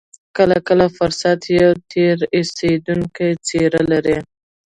کله کله فرصت يوه تېر ايستونکې څېره لري.